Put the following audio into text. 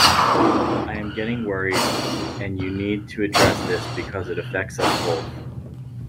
I am getting worried, and you need to address this because it affects us both.